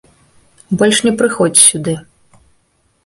Больш не прыходзь сюды.